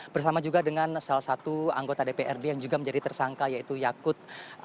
bersama juga dengan salah satu anggota dprd yang juga menjadi tersangka yaitu yakut